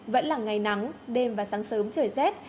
vẫn là ngày nắng đêm và sáng sớm trời rét